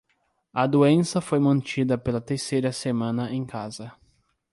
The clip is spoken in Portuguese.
A doença foi mantida pela terceira semana em casa.